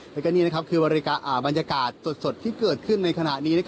แล้วก็นี่คือบรรยากาศสดที่เกิดขึ้นในขณะนี้